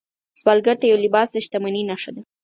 سوالګر ته یو لباس د شتمنۍ نښه ده